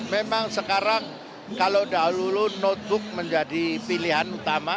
memang sekarang kalau dahulu notebook menjadi pilihan utama